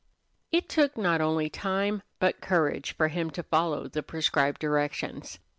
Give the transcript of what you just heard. It took not only time, but courage, for him to follow the prescribed directions.